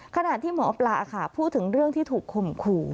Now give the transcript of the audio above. ขณะที่หมอปลาค่ะพูดถึงเรื่องที่ถูกข่มขู่